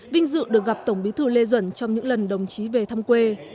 vinh dự được gặp tổng bí thư lê duẩn trong những lần đồng chí về thăm quê